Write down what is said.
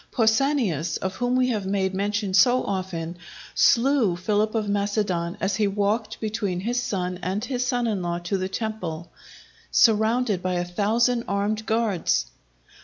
Pausanias, of whom we have made mention so often, slew Philip of Macedon as he walked between his son and his son in law to the temple, surrounded by a thousand armed guards.